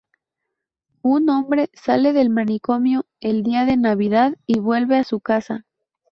Un hombre sale del manicomio el día de Navidad y vuelve a su casa.